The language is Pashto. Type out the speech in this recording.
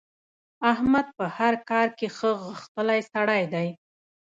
احمد په هر کار کې ښه غښتلی سړی دی.